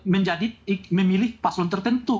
menjadi memilih paslon tertentu